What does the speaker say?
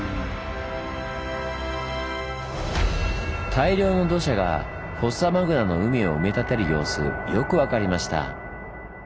大量の土砂がフォッサマグナの海を埋め立てる様子よく分かりました。